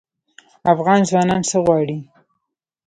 افغان ځوانان څه غواړي؟